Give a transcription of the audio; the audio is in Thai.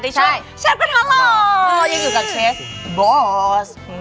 ได้ช่วยชำกระทั้งรอมองอยู่กับเชฟบอส